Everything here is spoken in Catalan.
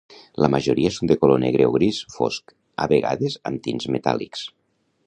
La majoria són de color negre o gris fosc, a vegades amb tints metàl·lics.